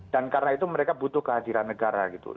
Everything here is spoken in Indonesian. dan karena itu mereka butuh kehadiran negara gitu